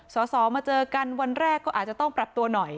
สอสอมาเจอกันวันแรกก็อาจจะต้องปรับตัวหน่อย